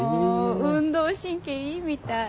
運動神経いいみたい。